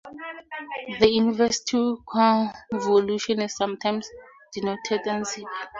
The inverse to convolution is sometimes denoted unzip.